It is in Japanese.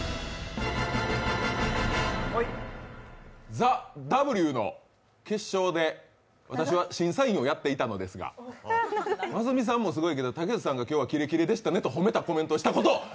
「ＴＨＥＷ」の決勝で私は審査員をやっていたのですが、ますみさんもすごいですが、竹内さんが今日はキレキレでしたねと褒めるコメントをしたこと。